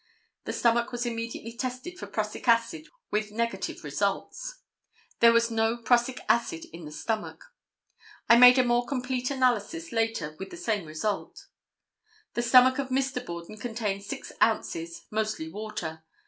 The stomach was immediately tested for prussic acid with negative results. There was no prussic acid in the stomach. I made a more complete analysis later with the same result. The stomach of Mr. Borden contained six ounces, mostly water.